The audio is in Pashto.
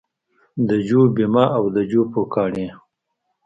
د جو بیمه او د جو پوکاڼې